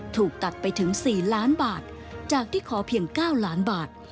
ถูกตัดไปถึง๔ล้านบาทจากที่ขอเพียง๙ล้านบาท